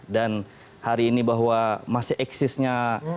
dan hari ini bahwa masih eksisnya